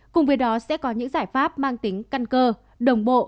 cùng với đó sẽ có những giải pháp mang tính căn cơ đồng bộ